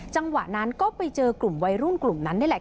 จังหวะนั้นก็ไปเจอกลุ่มวัยรุ่นกลุ่มนั้นนี่แหละ